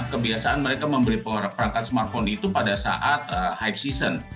kebiasaan mereka membeli perangkat smartphone itu pada saat high season